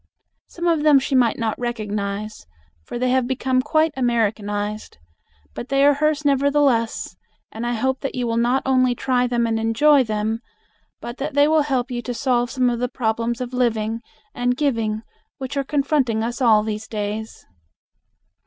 Some of them she might not recognize, for they have become quite Americanized, but they are hers nevertheless, and I hope that you will not only try them and enjoy them, but that they will help you to solve some of the problems of living and giving which are confronting us all these days.